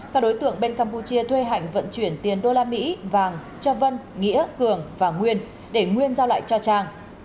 các đối tượng bên campuchia thuê hạnh vận chuyển tiền đô la mỹ vàng cho vân nghĩa cường và nguyên để nguyên giao lại cho trang